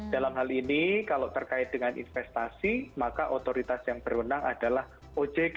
dalam hal ini kalau terkait dengan investasi maka otoritas yang berwenang adalah ojk